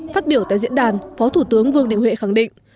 phát biểu tại diễn đàn phó thủ tướng vương đình huệ khẳng định